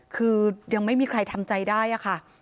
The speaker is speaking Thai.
คือยังไม่มีใครทำใจได้ค่ะ